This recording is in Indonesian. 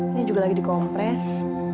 ini juga lagi dikompres